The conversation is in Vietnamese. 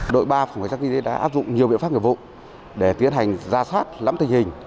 đội ba phòng chống dịch đã áp dụng nhiều biện pháp nghiệp vụ để tiến hành ra sát lắm tình hình